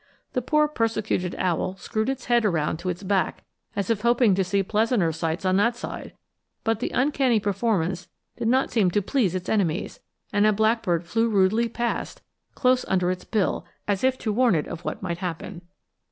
The poor persecuted owl screwed its head around to its back as if hoping to see pleasanter sights on that side; but the uncanny performance did not seem to please its enemies, and a blackbird flew rudely past, close under its bill, as if to warn it of what might happen.